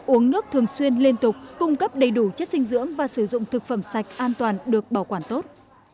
uống nước thường xuyên liên tục cung cấp đầy đủ chất dinh dưỡng và sử dụng thực phẩm sạch an toàn được bảo quản tốt